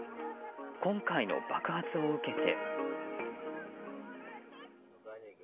今回の爆発を受けて。